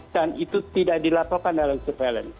dan itu tidak dilaporkan dalam surveillance